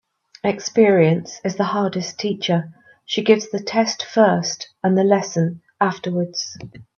Experience is the hardest teacher. She gives the test first and the lesson afterwards.